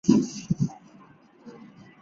仿人面蟹为人面蟹科仿人面蟹属的动物。